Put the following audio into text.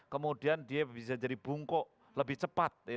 kemudian dia bisa jadi bungkuk lebih cepat